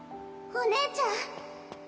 お姉ちゃん？